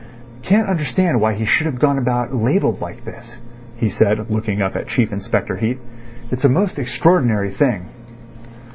"Can't understand why he should have gone about labelled like this," he said, looking up at Chief Inspector Heat. "It's a most extraordinary thing."